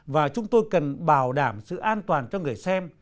và chúng tôi cần bảo đảm sự an toàn cho người xem